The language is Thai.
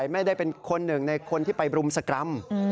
ไม่ได้เป็นคนหนึ่งในคนที่ไปบรุมสกรรม